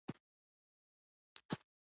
په فرانسې او هسپانیې کې ورته ډلې موجود وې.